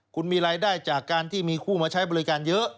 คุณมีรายได้จากการที่มีคู่มาใช้บริการเยอะ